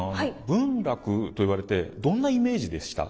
文楽と言われてどんなイメージでした？